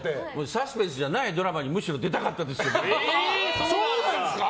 サスペンスじゃないドラマにむしろ出たかったですよ。